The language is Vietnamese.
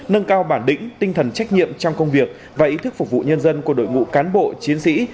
nâng cao bản lĩnh tinh thần trách nhiệm trong công việc và ý thức phục vụ nhân dân của đội ngũ cán bộ chiến sĩ